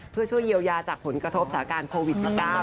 เพื่อช่วยเยียวยาจากผลกระทบสาการโควิด๑๙